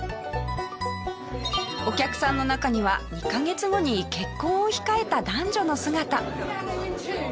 お客さんの中には２カ月後に結婚を控えた男女の姿。